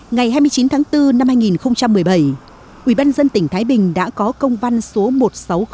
ngày hai mươi chín tháng bốn năm hai nghìn một mươi bảy ubnd tỉnh thái bình đã có công văn số một nghìn sáu trăm linh bốn